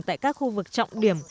tại các khu vực trọng điểm